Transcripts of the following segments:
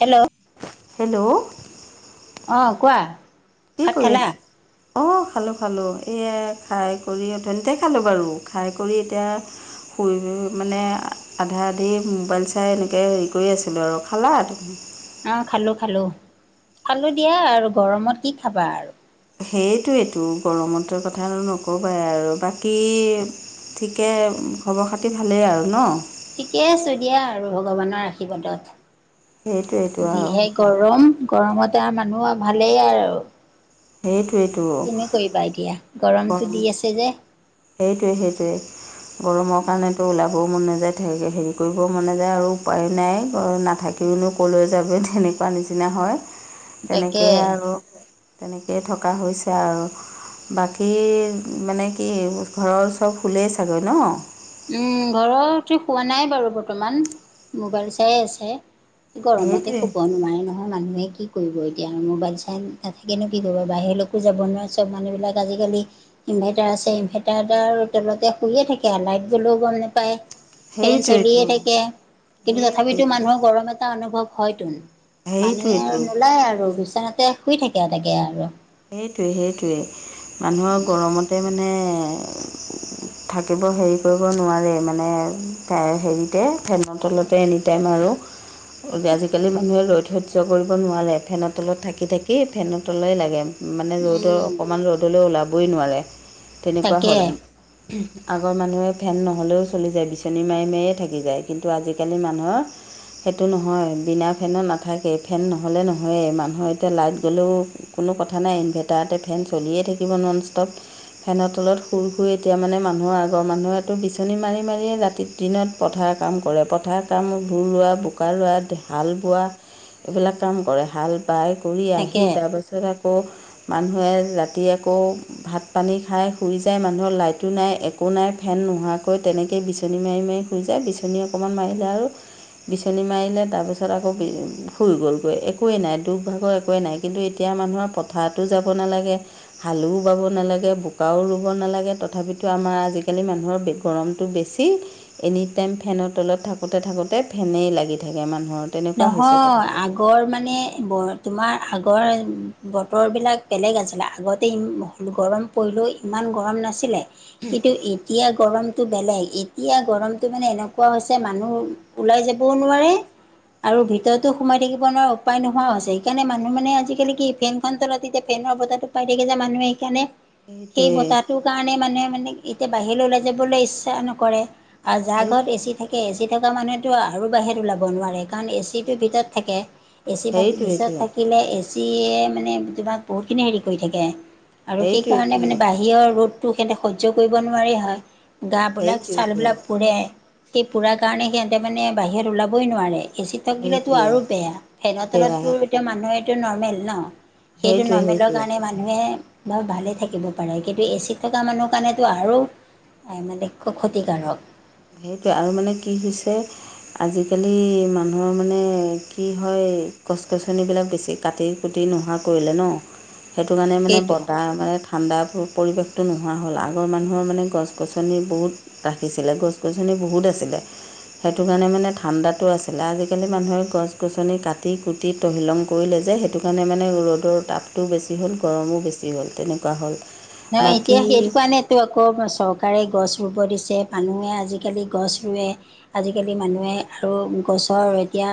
Hello hello অ কোৱা? কি ভাত কৰি খালা? আছ। অ খালো খালো এইয়া খাই কৰি অথনিতে খালো বাৰু খাই কৰি এতিয়া শুই মানে আধা আধি মোবাইল চাই এনেকৈ হেৰি কৰি আছিলো আৰু খালা তুমি অ খালো খালো খালো দিয়া আৰু গৰমত কি খাবা আৰু সেইটোৱেতো গৰমতোৰ কথা নকবাই আৰু বাকী ঠিকে খবৰ খাতি ভালেই আৰু ন ঠিকে আছো দিয়া আৰু ভগৱানৰ সেইটোৱেইটো আশীৰ্বাদত আৰু যিহে গৰম গৰমতে আৰু মানুহ আৰু ভালেই আৰু সেইটোৱেইটো কি কৰিবা এতিয়া গৰমতো গৰম দি আছে যে সেইটোৱে সেইটোৱেই গৰমৰ কাৰণেতো ওলাবও মন নযায় হেৰি কৰিবও মন নেযায় আৰু উপায়ো নাই নাথাকে কি নো ক'লৈ যাবি তেনেকোৱা নিচিনা হয় তাকে তেনেকেই আৰু তেনেকেই থকা হৈছে আৰু বা কী মানে কি ঘৰৰ চব শুলেই চাগে ন উম ঘৰৰতো হোৱা নাই বাৰু বৰ্তমান মোবাইল চাই আছে গৰমতে সেইটোৱে শুব নোৱাৰি নহয় মানুহে কি কৰিব এতিয়া আৰু মোবাইল চাই নাথাকিনো কি কৰিব বাহিৰলৈকো যাব নোৱাৰে চব মানুহবিলাক আজিকালি ইনভাৰ্টাৰ আছে ইনভাৰ্টাৰ আৰু তলতে শুইয়ে থাকে আৰু লাইট গ'লেও গম নেপায় ফেন চলিয়ে সেইটোৱেইতো থাকে কিন্তু তথাপিতো সেইটোৱেইতো মানুহৰ গৰম এটা অনুভৱ হয়তোন মানুহে আৰু সেইটোৱেইতো নোলায় আৰু বিচনাতে শুই থাকে তাকে আৰু সেইটোৱে সেইটোৱে মানুহৰ গৰমতে মানে থাকিব হেৰি কৰিব নোৱাৰে মানে হেৰিতে ফেনৰ তলতে এনেই টাইম আৰু আজি কালি মানুহে ৰ'দ সহ্য কৰিব নোৱাৰে ফেনৰ তলত থাকি থাকি ফেনৰ তলেই লাগে। মানে ৰ'দৰ উম অকণমান ৰ'দলৈ ওলাবই নোৱাৰে তেনেকোৱা তাকে হ'ল আগৰ মানুহে ফেন নহ'লেও চলি যায় বিচনী মাৰি মাৰিয়ে থাকি যায় কিন্তু আজিকালি মানুহৰ সেইটো নহয় বিনা ফেনৰ নাথাকে ফেন নহ'লে নহয়েই মানুহৰ এতিয়া লাইট গ'লেও কোনো কথা নাই ইনভাৰ্টাৰতে ফেন চলিয়ে থাকিব নন ষ্টপ ফেনৰ তলত শুৰ শুই এতিয়া মানে মানুহৰ আগৰ মানুহেতো বিচনী মাৰি মাৰিয়ে ৰাতিত দিনত পথাৰ কাম কৰে পথাৰ কাম ভুই ৰোৱা, বোকা ৰোৱা, হাল বোৱা এইবিলাক কাম কৰে হাল বাই কৰি আহি তাকে তাৰপাছত আকৌ মানুহে জাতি আকৌ ভাত পানী খাই শুই যায় মানুহৰ লাইটো নাই একো নাই ফেন নোহোৱাকৈ তেনেকৈেই বিচনী মাৰি মাৰি শুই যায় বিচনী অকণমান মাৰিলে আৰু বিচনী মাৰিলে তাৰপিছত আকৌ শুই গ'লগৈ একোৱেই নাই দুখ ভাগৰ একোৱেই নাই। কিন্তু এতিয়া মানুহৰ পথাৰতো যাব নালাগে। হালুও বাব নালাগে বোকাও ৰুব নালাগে তথাপিতো আমাৰ আজিকালি মানুহৰ বে গৰমটো বেছি এনি টাইম ফেনৰ তলত থাকোতে থাকোতে ফেনেই লাগি থাকে মানুহৰ। তেনেকোৱা হৈছে নহয় কথাবিলাক। আগৰ মানে ব তোমাৰ আগৰ বতৰবিলাক বেলেগ আছিলে আগতে গৰম পৰিলেও ইমান গৰম নাছিলে, কিন্তু ই এতিয়া গৰমটো বেলেগ এতিয়া গৰমটো মানে এনেকোৱা হৈছে মানুহ ওলাই যাবও নোৱাৰে আৰু ভিতৰতো সোমাই থাকিব নোৱাৰা উপায় নোহোৱা হৈছে সেইকাৰণে মানুহ মানে আজিকালি কি ফেনখন তলাতে তেতিয়া ফেনৰ বজাৰটো পাই থাকে যে মানুহে এইকাৰণে সেই সেইটোৱে বতাহটোৰ কাৰণে মানে মানে এতিয়া বাহিৰলৈ ওলাই যাবলৈ ইচ্ছা নকৰে। আৰু যা ঘৰত এচি সেইটো থাকে, এচি থকা মানুহেতো আৰু বাহিৰত ওলাব নোৱাৰে, কাৰণ এচি এচিটো ভিতৰত থাকে, এচি সেইটোৱেইটো [unintelligible] থাকিলে এচি চিয়ে মানে তোমাক বহুতখিনি হেৰি কৰি থাকে, আৰু সেইকাৰণে মানে সেইটোৱেইটো বাহিৰত বাহিৰৰ ৰ'দটো সিহঁতে সহ্য কৰিব নোৱাৰি হয়, সেইটোৱেইটো গাবিলাক-ছালবিলাক পুৰে। সেই পুৰা কাৰণে সিঁহতে মানে বাহিৰত ওলাবই নোৱাৰে। এচি থাকিলেতো সেইটোৱে আৰু বেয়া, ফেনৰ বেয়া তলততো এতিয়া মানুহে এইটো নৰ্মেল ন। সেইটো সেইটোৱে নৰ্মেলৰ সেইটোৱে কাৰণে মানে [unintelligible] বা ভালে থাকিব পাৰে, কিন্তু এচিত থকা মানুহ কাৰণেতো আৰু আই মানে লক্ষ্যক্ষতিকাৰক। সেইটোৱে আৰু, মানে কি হৈছে? আজিকালি মানুহৰ মানে কি হয় গছ-গছনিবিলাক বেছি কাটি-কুটি নোহোৱা কৰিলে ন', সেইটো কাৰণে মানে সেইটো বতাহ ন মানে ঠাণ্ডা পৰিৱেশটো নোহোৱা হ'ল, আগৰ মানুহৰ মানে গছ-গছনি বহুত ৰাখিছিলে। গছ গছনি বহুত আছিলে। সেইটো কাৰণে মানে ঠাণ্ডাটো আছিলে। আজিকালি মানুহে গছ গছনি কাটি-কুটি কুটি-তহিলং কৰিলে যে, সেইটো কাৰণে মানে ৰ'দৰ তাপটোও বেছি হ'ল, গৰমো বেছি হ'ল, তেনেকুৱা হ'ল। নহ, বাকী এতিয়া সেইটো কাৰণে [unintelligible] আকৌ চৰকাৰে গছ ৰুব দিছে, মানুহে আজিকালি গছ ৰুৱে। আজিকালি মানুহে আৰু গছৰ এতিয়া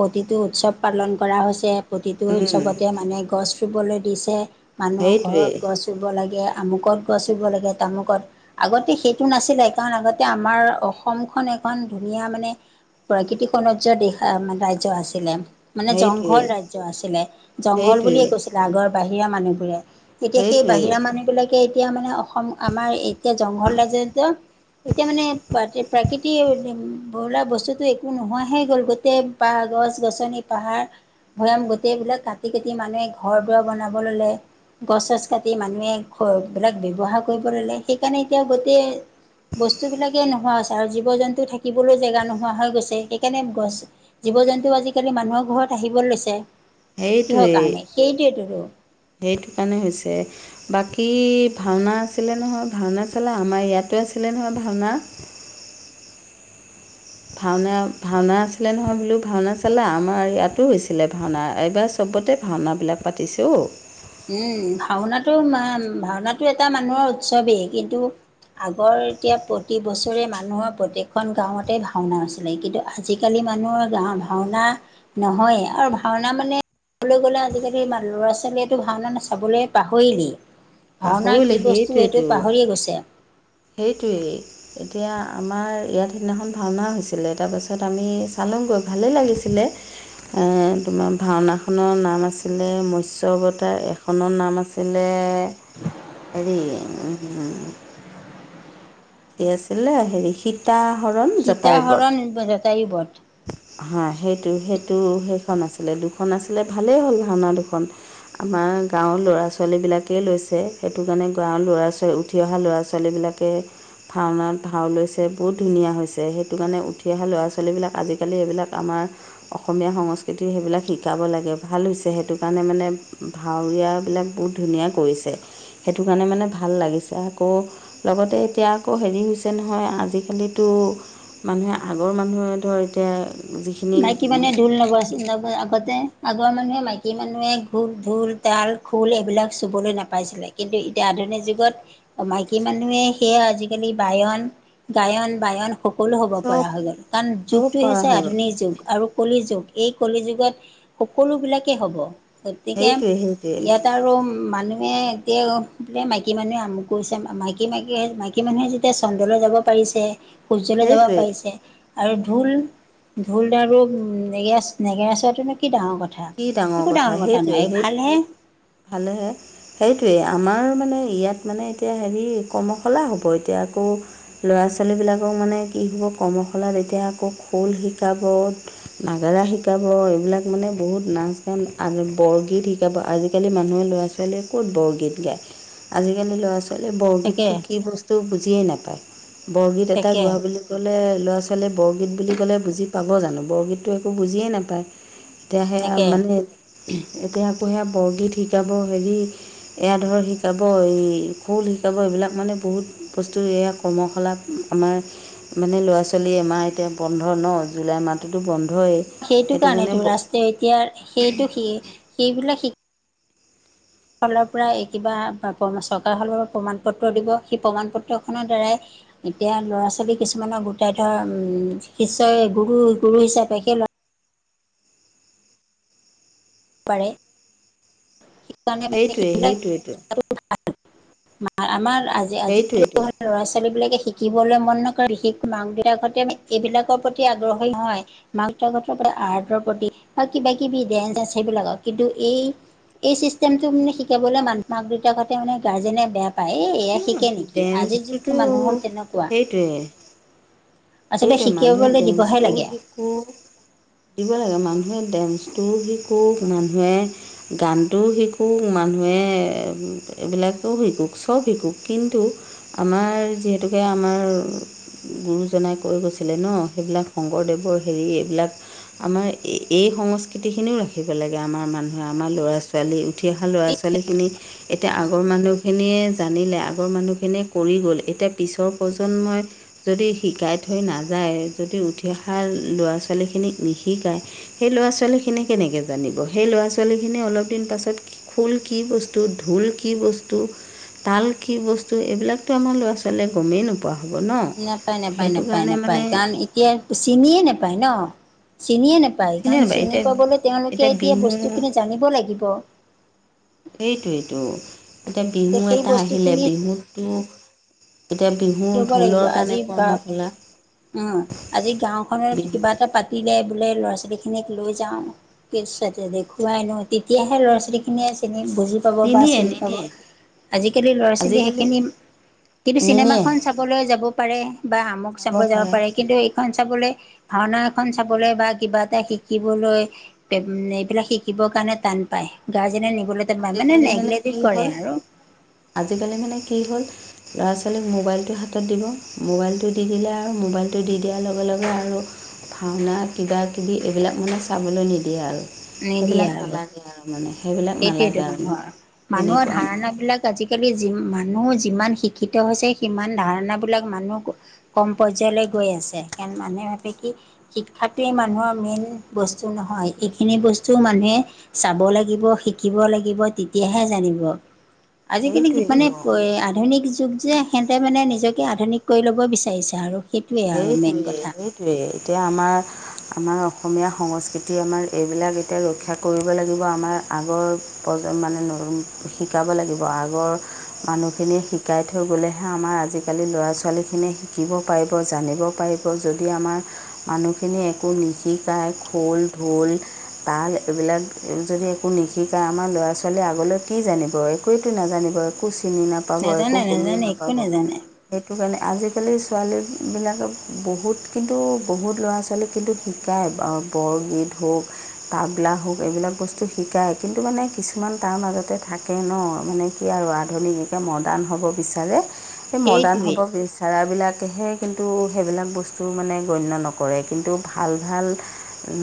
প্ৰতিটো উৎসৱ পালন কৰা হৈছে। প্ৰতিটো উম উৎসৱতে মানে গছ ৰুবলৈ দিছে, মানুহ সেইটোৱেই ঘৰত গছ ৰুব লাগে। গে আমুকত গছ ৰুব লাগে, তামুকত আগতে সেইটো নাছিলে, কাৰণ আগতে আমাৰ অসমখন এখন ধুনীয়া মানে প্ৰাকৃতিক সৌন্দৰ্যৰ দেশ, ৰাজ্য আছিলে। মানে সেইটোৱেই জংঘল ৰাজ্য আছিলে, জংঘল সেইটোৱেই বুলিয়ে কৈছিল আগৰ বাহিৰা মানুহবোৰে। এতিয়া সেই সেইটোৱেই বাহিৰা মানুহবিলাকে এতিয়া মানে অসম আমাৰ এতিয়া জংঘল [unintelligible] এতিয়া মানে প্ৰাকৃতি বোলা বস্তুটো একো নোহোৱাহে গ'ল, গোটেই পাহ, গছ-গছনি, পাহাৰ ভৈয়াম, গোটেইবিলাক কাটি-কাটি মানুহে ঘৰ দুৱাৰ বনাব ল'লে, গছ-চছ কাটি মানুহে বিলাক ব্যৱহাৰ কৰিব ললে সেইকাৰণে এতিয়া গোটেই বস্তুবিলাকেই নোহোৱা হৈছে আৰু জীৱ-জন্তু থাকিবলে জেগা নোহোৱা হৈ গৈছে, সেইকাৰণে গছ জীৱ-জন্তু আজিকালি মানুহৰ ঘৰত আহিব লৈছে। কিহৰ এইটোৱেই, কাৰণে সেইটোৱেইটোতো সেইটো কাৰণে হৈছে। বাকী ভাওনা আছিলে নহয়, ভাওনা চালা? আমাৰ ইয়াতো আছিলে নহয় ভাওনা। ভাওনা, ভাওনা আছিলে নহয়? বোলো, ভাওনা চালা? আমাৰ ইয়াতো হৈছিলে ভাওনা এইবাৰ। চবতে ভাওনাবিলাক পাতিছে অও। উম' ভাওনাটো ভাওনাটো এটা মানুহৰ উৎসৱেই, কিন্তু আগৰ এতিয়া প্ৰতি বছৰে মানুহৰ প্ৰত্যেকখন গাঁৱতেই ভাওনা আছিলে, কিন্তু আজিকালি মানুহৰ গাওঁ, ভাওনা নহয়, আৰু ভাওনা মানে কবলৈ গ'লে- আজিকালি ল'ৰা-ছোৱালীয়ে এইটো ভাওনা নাচাবলে পাহৰিলেই, ভাওনা পাহৰিলে কি বস্তু এইটো পাহৰিয়ে গৈছে। এইটোৱেই। এতিয়া আমাৰ ইয়াত সিদিনাখন ভাওনা হৈছিলে, তাৰপাছত আমি চালুংগৈ, ভালেই লাগিছিলে। এ তোমাৰ ভাওনাখনৰ নাম আছিলে-মৎস্য অৱতাৰ খনৰ নাম আছিলে, হেৰি উম, [unintelligible] এই আছিলে হেৰি সীত আহৰণ জটায়ুবত পটাই বত হা সেইটো সেইটো সেইখন আছিলে দুখন আছিলে ভালেই হ'ল ভাওনা দুখন আমাৰ গাঁৱৰ ল'ৰা ছোৱালী বিলাকেই লৈছে সেইটো কাৰণে গাঁৱৰ ল'ৰা ছোৱালী উঠি অহা ল'ৰা ছোৱালী বিলাক ভাওনাত ভাও লৈছে বহুত ধুনীয়া হৈছে ল'ৰা ছোৱালীবিলাক আজিকালি এইবিলাক আমাৰ অসমীয়া সংস্কৃতি সেইবিলাক শিকাব লাগে ভাল হৈছে সেইটো কাৰণে মানে ভাৱৰীয়া বিলাক বহুত ধুনীয়া কৰিছে সেইটো কাৰণে মানে ভাল লাগিছে আকৌ লগতে এতিয়া আকৌ হেৰি হৈছে নহয় আজিকালি টো মানুহে আগৰ মানুহে ধৰ এতিয়া যিখিনি মাইকী মানে ঢোল আগৰ মানুহে মাইকী মানুহে ঘোক ঢোল তোল খোল এইবিলাক চুবলৈ নাপাইছিলে কিন্তু এতিয়া আধুনিক যুগত মাইকী মানুহে সেয়া আজিকালি বায়ন গায়ন বায়ন সকলো হ'ব চব পৰা হৈ গ'ল কাৰণ চব যুগটো পাৰা হৈছে হৈ গ'ল আধুনিক যুগ আৰু কলি যুগ এই কলি যুগত সকলো বিলাকে হ'ব। গতিকে সেইটোৱে সেইটোৱে ইয়াত আৰু মানুহে এতিয়া বোলে মাইকী মানুহে আমুক কৰিছে মাইকী মাইকী মাইকী মানুহে যেতিয়া চন্দ্ৰলৈ যাব পাৰিচে সূৰ্যলৈ যাব সেইটোৱে পাৰি আৰু ঢোল ঢোল আৰু নেগেৰা নেগেৰা চোৱাটোনো কি ডাঙৰ কথা কি একো ডাঙৰ কথা সেইটোৱে নহয় সেই ভাল হে। ভালেহে। সেইটোৱেই আমাৰ মানে ইয়াত মানে এতিয়া হেৰি কৰ্মশালা হ'ব এতিয়া আকৌ ল'ৰা ছোৱালী বিলাকক মানে কি হ'ব কৰ্মশালাত এতিয়া আকৌ খোল শিকাব নাগাৰা শিকাব এইবিলাক মানে বহুত নাচ গান বৰগীত শিকাব আজিকালি মানুহে ল'ৰা ছোৱালীয়ে ক'ত বৰগীত গায়। আজিকালি ল'ৰা ছ আ তাকে বৰগীতটো কি বস্তু বুজিয়েই নাপায় বৰগীত এটা তাকে গোৱা বুলি ক'লে ল'ৰা ছোৱালীয়ে বৰগীত বুলি ক'লে বুজি পাব জানো বৰগীতটো একো বুজিয়ে নাপায় এতিয়া সেয়া তাকে মানে এতিয়া আকৌ সেয়া বৰগীত শিকাব হেৰি এয়া ধৰ শিকাব এই খোল শিকাব এইবিলাক মানে বহুত বস্তু এয়া কৰ্মশালা আমাৰ মানে ল'ৰা ছোৱালী আমাৰ এতিয়া বন্ধ ন জুলাই মাহটোতো বন্ধই সেইটো কাৰণেতো ৰাস্ৰ এতিয়া সেইটো শ সেইবিলাক শ ফালৰ পৰা কিবা চৰকাৰৰ ফালৰ পৰা প্ৰমাণ পত্ৰ দিব সেই প্ৰমাণ পত্ৰখনৰ দ্বাৰাই এতিয়া ল'ৰা ছোৱালী কিছুমানৰ গোটাই ধৰ শিষই গুৰু গুৰু হিচাপে সেই পাৰে [unintelligible] ল'ৰা ছোৱালী সেইটোৱে সেইটোৱেতো বিলাকে সেইটোৱেতো শিকিবলৈ মন নকৰে বিশেষকৈ মাক দেউতাকাহঁতে এইবিলাকৰ প্ৰতি আগ্ৰহী হয় মাকহঁতৰ আৰ্টৰ প্ৰতি বা কিবা কিবি ড সেইবিলাকক কিন্তু এই এই চিষ্টেমটো মানে শিকাবলৈ মাক মাক দেউতাকঁহতে মানে গাৰ্জেনে বেয়া পায় এই থিকে নেকি আজিৰ যুগটো ডেন্সটোতো মানুহৰ তেনেকুৱা সেইটোৱে আচলতে শিকিবলৈ দিবহে লাগে শো দিব লাগে মানুহে ডেন্সটো শিকোঁ মানুহে গানটোও শিকো মানুহে এইবিলাকেও শিকু চব শিকুক কিন্তু আমাৰ যিহেতুকে আমাৰ গুৰুজনাই কৈ গৈছিলে ন, সেইবিলাক শংকৰদেৱৰ হেৰি এইবিলাক আমাৰ এই সংস্কৃতিখিনিও ৰাখিব লাগে, আমাৰ মানুহে আমাৰ ল'ৰা ছোৱা ছোৱালী উঠি অহা ল'ৰা ছোৱালীখিনি এতিয়া আগৰ মানুহখিনিয়ে জানিলে, আগৰ মানুহখিনিয়ে কৰি গ'ল। এতিয়া পিছৰ প্ৰজন্মই যদি শিকাই থৈ নাযায়, যদি উঠি অহা ল'ৰা ছোৱালীখিনিক নিশিকায়। সেই ল'ৰা ছোৱালী খিনি কেনেকে জানিব, সেই ল'ৰা ছোৱালী খিনি অলপ দিন পাছত খোল কি বস্তু ঢোল কি বস্তু। তাল কি বস্তু এইবিলাকতো আমাৰ ল'ৰা ছোৱালীয়ে গমেই নোপোৱা হ'ব ন? নাপায় নাপায় সেইটো নাপায় কাৰণে মানে নাপায়, কাৰণ এতিয়া চিনিয়ে নাপায় ন চিনিয়ে নায় পায়, নাপায় চিনি এতিয়া পাবলৈ তেওঁলোকে এতিয়া বস্তু খিনি জানিব লাগিব। সেইটোৱেটো, এতিয়া বিহু সেই এটা আহিলে বস্তুখিনি বিহুটো এতিয়া বিহুৰ হ'ব লাগিব ঢোলৰ আজি কাৰণে বা কৰ্মশলা উম আজি গাওঁখনত কিবা এটা পাতিলে বোলে, ল'ৰা ছোৱালী খিনিক লৈ যাও। ইচ্ছাকিতি দেখুৱাই ন তেতিয়াহে ল'ৰা ছোৱালীখিনিয়ে চিনি বুজি পাব বা নিনিয়ে চিনি পাব, নিনিয়ে আজিকালি লৰা ছোৱালী আজিকালি সেইখিনি কিন্তু চিনেমা নিনিয়ে চাবলৈ যাব পাৰে বা আমুক চাব যাব পাৰে। কিন্তু খন চাবলৈ ভাওনা এখন চাবলৈ বা কিবা এটা শিকিবলৈ এইবিলাক শিকিবৰ কাৰণে তান পায়। গাৰ্জেনে নিবলৈ টান পায় মানে আজিকালি নেগলেকটি কি কৰে হ'ল আৰু। আজিকালি মানে কি হ'ল? ল'ৰা ছোৱালীক মোবাইলটো হাতত দিব, মোবাইলটো দি দিলে আৰু মোবাইলটো দি দিয়াৰ লগে লগে আৰু ভাওনা কিবা কিবি এইবিলাক মানে চাবলৈ নিদিয়ে আৰু। সেইবিলাক নালাগে আৰু মানে সেইবিলাক সেইটোৱেটো নালাগে আৰু মানুহৰ, মানুহৰ তেনেকুৱা মানে ধাৰণা বিলাক আজিকালি যি মানুহ যিমান শিক্ষিত হৈছে সিমান ধাৰণাবিলাক মানুহ কম পৰ্যায়লৈ গৈ আছে। কাৰণ মানুহে ভাবে কি শিক্ষাটোৱেই মানুহৰ মেইন বস্তু নহয়। এইখিনি বস্তু মানুহে চাব লাগিব শিকিব লাগিব তেতিয়াহে জানিব। আজিকালি মানে সেইটোৱেইটো আধুনিক যুগ যে। সেতে মানে নিজকে আধুনিক কৰি ল'ব বিচাৰিছে আৰু সেইটোৱেই আৰু মেইন কথা। টোৱে এতিয়া আমাৰ আমাৰ অসমীয়া সংস্কৃতি আমাৰ এইবিলাক এতিয়া ৰক্ষা কৰিব লাগিব, আমাৰ আগৰ প্ৰজন্ম নৰম মানে শিকাব লাগিব, আগৰ মানুহখিনিয়ে শিকাই থৈ গ'লেহে আমাৰ আজিকালি ল'ৰা ছোৱালীখিনিয়ে শিকিব পাৰিব। জানিব পাৰিব। যদি আমাৰ মানুহখিনি একো নিশিকাই খোল ঢোল তাল এইবিলাক যদি একো নিশিকায়, আমাৰ ল'ৰা ছোৱালীয়ে আগলৈ কি জানিব একোৱেতো নাজানিব। একো চিনি নাপাব একো নাজানে গমেই নাজানে একো নাপাব, নাজানে সেইটো কাৰণেই আজিকালি ছোৱালী বিলাকে বহুত কিন্তু বহুত ল'ৰা ছোৱালীক কিন্তু শিকায় বৰগীত হওক। তাবলা হওঁক এইবিলাক বস্তু শিকায়, কিন্তু মানে কিছুমান তাৰ মাজতে থাকে ন মানে কি আৰু আধুনিক একে মডাৰ্ণ হ'ব বিচাৰে। সেই মডাৰ্ণ সেইটোৱে হ'ব বিচাৰবিলাকেহে কিন্তু সেইবিলাক বস্তু মানে গণ্য নকৰে কিন্তু ভাল ভাল।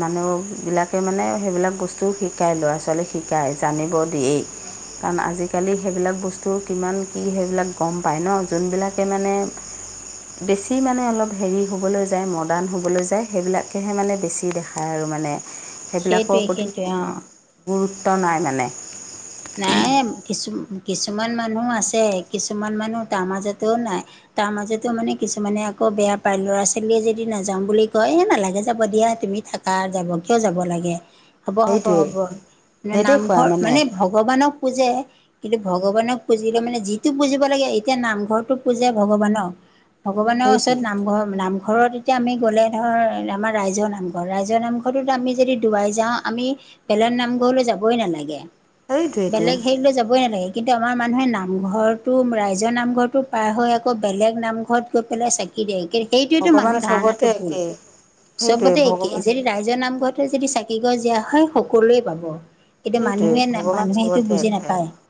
মানুহবিলাকে মানে সেইবিলাক বস্তুও শিকায় ল'ৰা ছোৱালীক শিকায় জানিব দিয়েই। কাৰণ আজিকালি সেইবিলাক বস্তু কিমান কি সেইবিলাক গম পায় ন, যোনবিলাকে মানে বেছি মানে অলপ হেৰি হ'বলৈ যায় মডাৰ্ণ হ'বলৈ যায় সেইবিলাকেহে মানে বেছি দেখায় আৰু মানে। সেইটোৱে সেইবিলাকৰ প্ৰতি সেইটোৱে অ গুৰুত্ব নাই মানে। নাই কিছু কিছুমান মানুহ আছে কিছুমান মানুহ তাৰ মাজতেও নাই। তাৰ মাজতো মানে কিছুমানে আকৌ বেয়া পায় ল'ৰা ছোৱালীয়ে যদি নাযাও বুলি কয় এ নালাগে যাব দিয়া তুমি থাক ত যাব কিয় যাব লাগে হ'ব হ'ব সেইটোৱেই হ'ব মানে নামঘৰ মানে, ভগৱানক পূজে কিন্তু ভগৱানক পুজিলে মানে যিটো পুজিব লাগে এতিয়া নামঘৰটো পুজে ভগৱানক। ভগৱানৰ ওচৰত সেইটোৱেই নামঘৰ নামঘৰত এতিয়া আমি গ'লে ধৰ আমাৰ ৰাইজৰ নামঘৰ ৰাইজৰ নামঘৰটোত আমি যদি ডুৱাই যাওঁ আমি বেলগৰ নামঘৰলৈ যাবই নালাগে সেইটোৱেইতো বেলেগ হেৰিলৈ যাবই নালাগে। কিন্তু আমাৰ মানুহে নামঘৰটো ৰাইজৰ নামঘৰটো পাৰ হৈ আকৌ বেলেগ নামঘৰত গৈ পেলাই চাই [unintelligible] সেইটোৱেতো ভগৱান মানুহৰ চবতে ধাৰণাটো ভুল একেই সেইটোৱে চবতে ভগৱান একেই ৰাইজৰ একেই নামঘৰতে যদি চাকি গছ দিয়া হয় সকলোৱে পাব এতিয়া সেইটোৱে মানুহে নে, ভগৱান মানুহে সেইটো চবতে বুজি একে নাপায়।